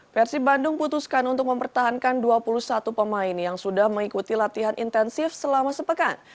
persib bandung putuskan untuk mempertahankan dua puluh satu pemain yang sudah mengikuti latihan intensif selama sepekan